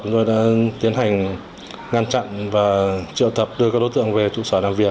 chúng tôi đã tiến hành ngăn chặn và triệu tập đưa các đối tượng về trụ sở làm việc